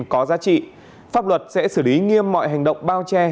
nếu có thông tin có giá trị pháp luật sẽ xử lý nghiêm mọi hành động bao che